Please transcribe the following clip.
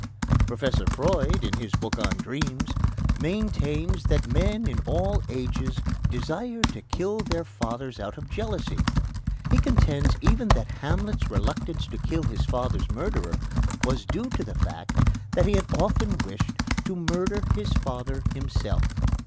Professor Freud, in his book on dreams, maintains that men in all ages desire to kill their fathers out of jealousy; he contends even that Hamlet's reluctance to kill his father's murderer was due to the fact that he had often wished to murder his father himself.